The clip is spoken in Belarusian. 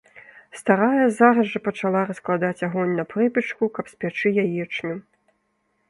Старая зараз жа пачала раскладаць агонь на прыпечку, каб спячы яечню.